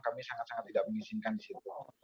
kami sangat sangat tidak mengizinkan disitu